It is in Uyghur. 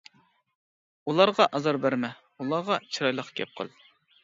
ئۇلارغا ئازار بەرمە، ئۇلارغا چىرايلىق گەپ قىل.